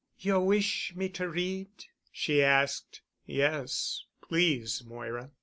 "You wish me to read——?" she asked. "Yes, please, Moira."